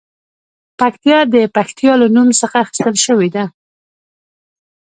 پکتیا د پښتیا له نوم څخه اخیستل شوې ده